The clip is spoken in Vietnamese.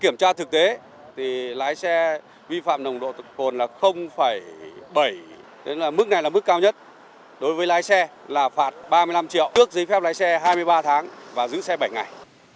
mức này là mức cao nhất đối với lái xe là phạt ba mươi năm triệu trước giấy phép lái xe hai mươi ba tháng và giữ xe bảy ngày